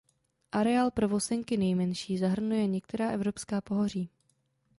Areál prvosenky nejmenší zahrnuje některá evropská pohoří.